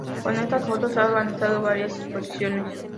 Con estas fotos, ha organizado varias exposiciones.